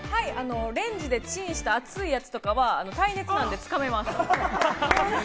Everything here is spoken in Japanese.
レンジでチンした熱いやつとかはつかめます。